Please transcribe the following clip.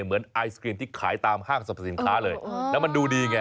เหมือนไอศกรีมที่ขายตามห้างสรับสริงค้าเลยแล้วมันดูดีกันเนี่ย